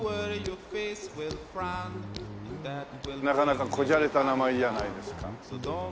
なかなかこじゃれた名前じゃないですか。